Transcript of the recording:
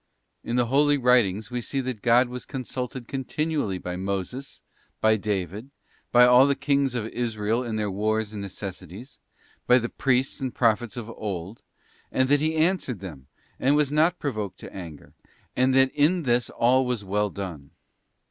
't In the Holy Writings we see that God was consulted continually by Moses, by David, by all the Kings of Israel in their wars and necessities, by the Priests and Prophets of old, and that He answered them, and was not provoked to anger, and that in this all was well done.